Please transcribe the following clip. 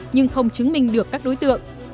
nhưng không chứng minh được các đối tượng